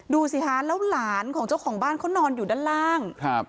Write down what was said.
ดูสิคะแล้วหลานของเจ้าของบ้านเขานอนอยู่ด้านล่างครับ